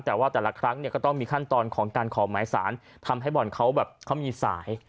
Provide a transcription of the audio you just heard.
แต่ว่าแต่ละครั้งเนี่ยก็ต้องมีขั้นตอนของการขอหมายสารทำให้บ่อนเขาแบบเขามีสาย